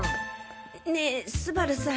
ねぇ昴さん。